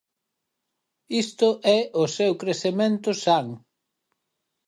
Isto é o seu crecemento san.